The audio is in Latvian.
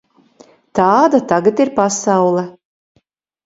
Tāda tagad ir pasaule.